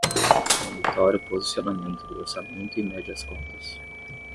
Monitora o posicionamento do orçamento e mede as contas.